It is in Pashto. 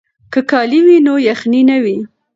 که کالي وي نو یخنۍ نه وي.